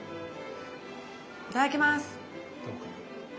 いただきます！